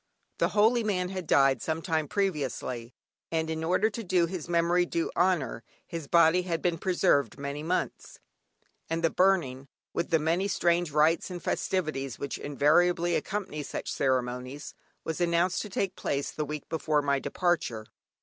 The holy man had died some time previously, and in order to do his memory due honour, his body had been preserved many months, and the burning, with the many strange rites and festivities which invariably accompany such ceremonies, was announced to take place the week before my departure.